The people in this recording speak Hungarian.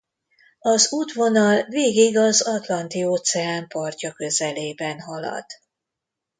Az útvonal végig az Atlanti-óceán partja közelében halad.